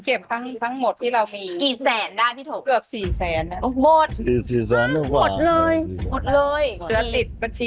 เอาเงินมาจ่ายตลาดทุกวันวันละ๕๐๐บาท